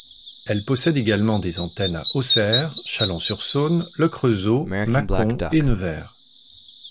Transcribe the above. Elle possède également des antennes à Auxerre, Chalon-sur-Saône, Le Creusot, Mâcon et Nevers.